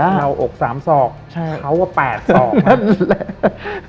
เราอกสามศอกเขาก็แปดศอกนั่นแหละ